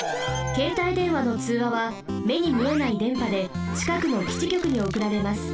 けいたい電話のつうわはめにみえない電波でちかくの基地局におくられます。